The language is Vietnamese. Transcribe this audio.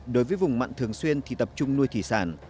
đối với vùng mặn thường xuyên thì tập trung nuôi thủy sản